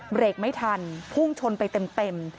เบรกไม่ทันพุ่งชนไปเต็ม